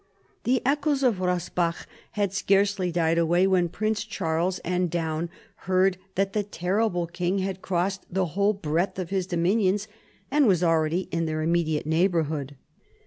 The echoes of Bossbach had scarcely died away when Prince Charles and Daun heard that the terrible king had crossed the whole breadth of his dominions, and was already in their immediate neighbourhood.